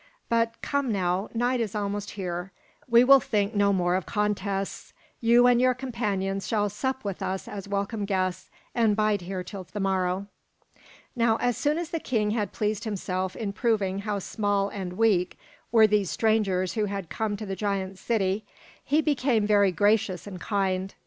But come, now, night is almost here. We will think no more of contests. You and your companions shall sup with us as welcome guests and bide here till the morrow." Now as soon as the king had pleased himself in proving how small and weak were these strangers who had come to the giant city, he became very gracious and kind.